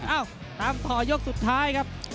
เอ้าตามต่อยกสุดท้ายครับ